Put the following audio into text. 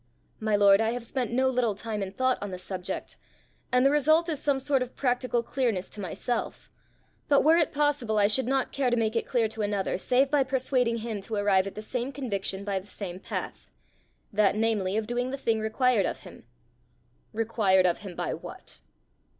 "My lord, I have spent no little time and thought on the subject, and the result is some sort of practical clearness to myself; but, were it possible, I should not care to make it clear to another save by persuading him to arrive at the same conviction by the same path that, namely, of doing the thing required of him." "Required of him by what?"